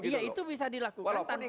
iya itu bisa dilakukan tanpa surat pernyataan